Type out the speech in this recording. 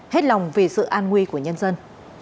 hết lòng vì sự an nguy của nhân dân